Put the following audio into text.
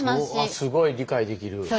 すごい理解できる。